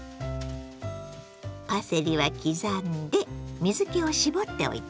パセリは刻んで水けを絞っておいてね。